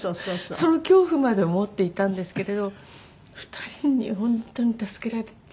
その恐怖まで持っていたんですけれど２人に本当に助けられて。